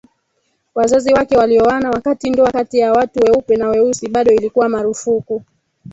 Wazazi wake walioana wakati ndoa kati ya watu weupe na weusi bado ilikuwa marufuku